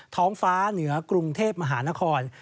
ท้องฟ้าเหนือกรุงเทพมหานคร